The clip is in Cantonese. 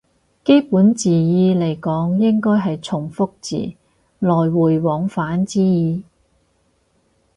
基本字義嚟講應該係從復字，來回往返之意